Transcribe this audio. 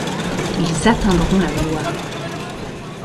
Ils atteindront la gloire.